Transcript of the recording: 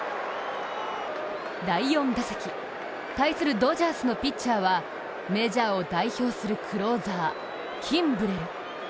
第４打席、対するドジャースのピッチャーはメジャーを代表するクローザーキンブレル。